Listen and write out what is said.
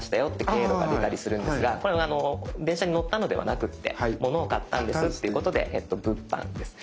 経路が出たりするんですがこれあの電車に乗ったのではなくってモノを買ったんですということで物販です。